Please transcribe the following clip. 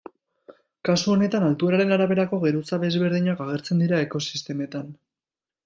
Kasu honetan, altueraren araberako geruza desberdinak agertzen dira ekosistemetan.